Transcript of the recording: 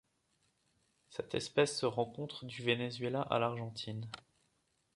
Cette espèce se rencontre du Venezuela à l'Argentine.